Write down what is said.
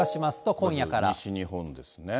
西日本ですね。